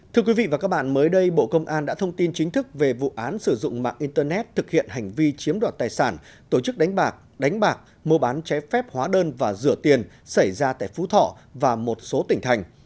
thưa quý vị và các bạn mới đây bộ công an đã thông tin chính thức về vụ án sử dụng mạng internet thực hiện hành vi chiếm đoạt tài sản tổ chức đánh bạc đánh bạc mua bán trái phép hóa đơn và rửa tiền xảy ra tại phú thọ và một số tỉnh thành